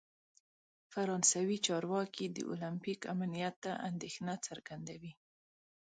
فرانسوي چارواکي د اولمپیک امنیت ته اندیښنه څرګندوي.